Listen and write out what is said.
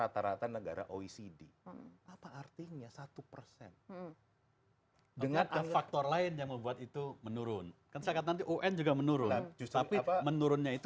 terima kasih pak menteri